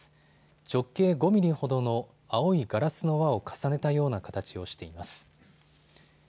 直径５ミリほどの青いガラスの輪を重ねたような形をしています。